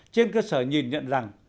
trên cơ sở nhìn nhận rằng